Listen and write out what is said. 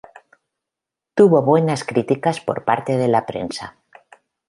Tuvo buenas críticas por parte de la prensa.